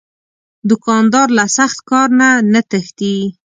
دوکاندار له سخت کار نه نه تښتي.